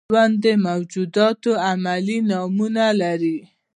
ژوندي موجودات علمي نومونه لري